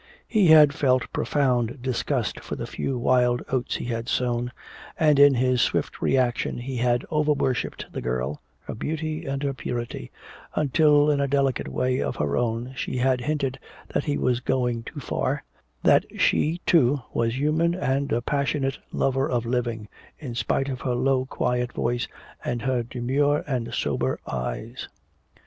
He had felt profound disgust for the few wild oats he had sown, and in his swift reaction he had overworshipped the girl, her beauty and her purity, until in a delicate way of her own she had hinted that he was going too far, that she, too, was human and a passionate lover of living, in spite of her low quiet voice and her demure and sober eyes.